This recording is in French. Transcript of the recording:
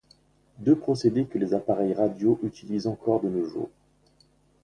Deux procédés que les appareils radio utilisent encore de nos jours.